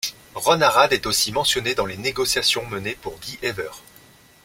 Ron Arad est aussi mentionné dans les négociations menées pour Guy Hever.